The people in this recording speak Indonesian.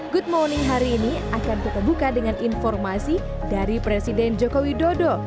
good morning hari ini akan kita buka dengan informasi dari presiden joko widodo